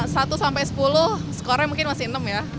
satu sampai sepuluh skornya mungkin masih enam ya